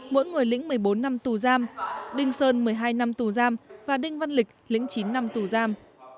mỗi người lĩnh một mươi bốn năm tù giam đinh sơn một mươi hai năm tù giam và đinh văn lịch lĩnh chín năm tù giam